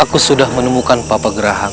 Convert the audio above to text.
aku sudah menemukan papa gerahan